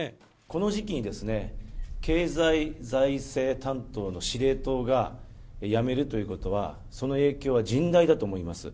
この時期に、経済財政担当の司令塔が辞めるということは、その影響は甚大だと思います。